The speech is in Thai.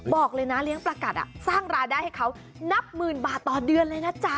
บอกเลยนะเลี้ยงประกัดสร้างรายได้ให้เขานับหมื่นบาทต่อเดือนเลยนะจ๊ะ